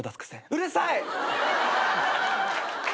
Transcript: うるさい！